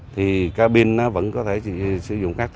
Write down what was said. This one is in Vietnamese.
thì ca binh nó vẫn có thể sử dụng